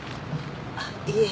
あっいいえ。